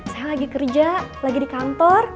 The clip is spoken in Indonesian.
saya lagi kerja lagi di kantor